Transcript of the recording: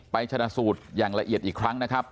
ชนะสูตรอย่างละเอียดอีกครั้งนะครับ